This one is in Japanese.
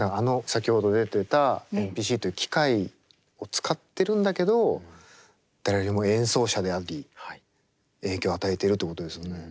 先ほど出てたＭＰＣという機械を使ってるんだけど誰よりも演奏者であり影響を与えてるということですよね。